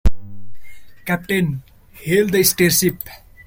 Captain, hail the star ship.